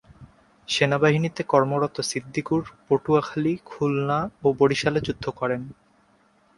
সেনাবাহিনীতে কর্মরত সিদ্দিকুর পটুয়াখালী, খুলনা ও বরিশালে যুদ্ধ করেন।